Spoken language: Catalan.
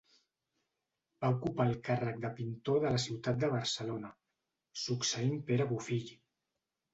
Va ocupar el càrrec de pintor de la ciutat de Barcelona, succeint Pere Bofill.